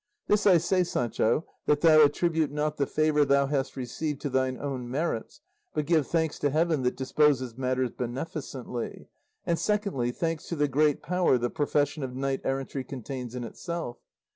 This I say, Sancho, that thou attribute not the favour thou hast received to thine own merits, but give thanks to heaven that disposes matters beneficently, and secondly thanks to the great power the profession of knight errantry contains in itself.